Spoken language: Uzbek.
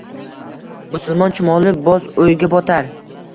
Musulmon chumoli boz o‘yga botar